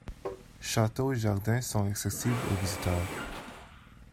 Château et jardin sont accessibles aux visiteurs.